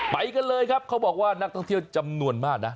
ไปกันเลยครับเขาบอกว่านักท่องเที่ยวจำนวนมากนะ